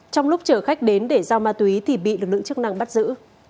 trong lúc chở khách đến để giao ma túy thì bị lực lượng chức năng bắt giữ